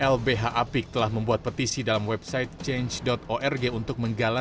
lbh apik telah membuat petisi dalam website change org untuk menggalang